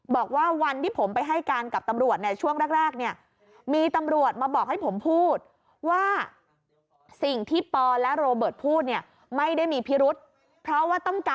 บอกว่าวันที่ผมไปให้การกับตำรวจช่วงแรก